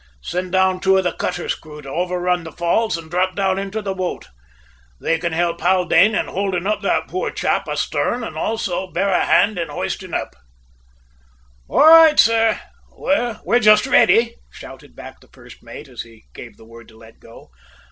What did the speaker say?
Send down two of the cutter's crew to overrun the falls and drop down into the boat. They can help Haldane in holding up that poor chap astern and also bear a hand in hoisting up." "All right, sir; we're just ready," shouted back the first mate as he gave the word to let go.